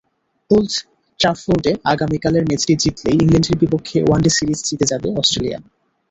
Old ট্রাফোর্ডে আগামীকালের ম্যাচটি জিতলেই ইংল্যান্ডের বিপক্ষে ওয়ানডে সিরিজ জিতে যাবে অস্ট্রেলিয়া।